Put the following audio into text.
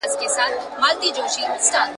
خلک به ئې قبر ته درناوی کوي.